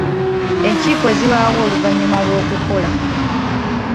Enkiiko zibaawo oluvannyuma lw'okukola.